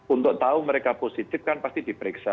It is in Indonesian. untuk tahu mereka positif kan pasti diperiksa